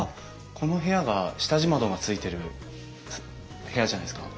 この部屋が下地窓がついてる部屋じゃないですか？